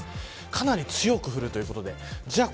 かなり強く降るということでじゃあ